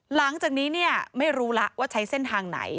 หลังจากนี้เนี่ยไม่รู้แล้วว่าใช้เส้นทางไหน